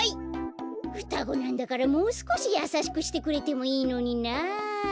ふたごなんだからもうすこしやさしくしてくれてもいいのにな。